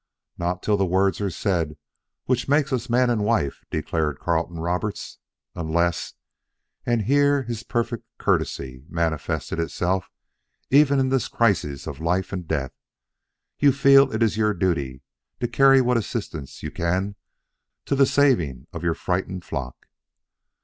"Not till the words are said which make us man and wife," declared Carleton Roberts. "Unless" and here his perfect courtesy manifested itself even in this crisis of life and death "you feel it your duty to carry what assistance you can to the saving of your frightened flock."